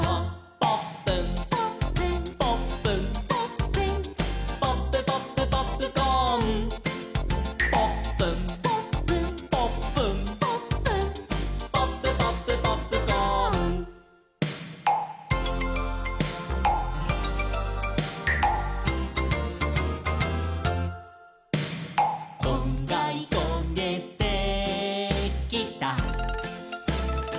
「ポップン」「ポップン」「ポップン」「ポップン」「ポップポップポップコーン」「ポップン」「ポップン」「ポップン」「ポップン」「ポップポップポップコーン」「こんがりこげてきた」